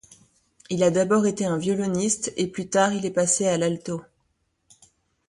Il a d'abord été un violoniste et plus tard est passé à l'alto.